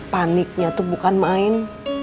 paniknya tuh bukan main